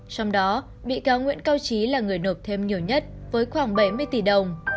trong đó bị cáo nguyễn cao trí là người nộp thêm nhiều nhất với khoảng bảy mươi tỷ đồng